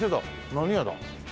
何屋だ？